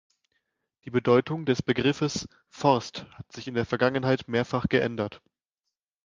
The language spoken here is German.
Die Bedeutung des Begriffes „Forst“ hat sich in der Vergangenheit mehrfach geändert.